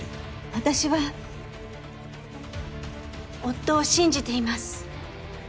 私は夫を信じています。